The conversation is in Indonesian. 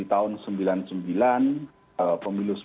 di tahun sembilan puluh sembilan pemilu sembilan puluh sembilan